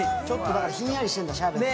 ひんやりしてるんだ、シャーベット。